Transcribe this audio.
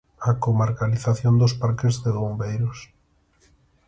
A comarcalización dos parques de bombeiros.